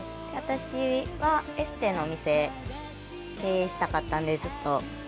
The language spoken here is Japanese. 私はエステのお店経営したかったんでずっと。